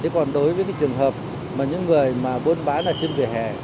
còn đối với trường hợp những người bôn bán ở trên vỉa hè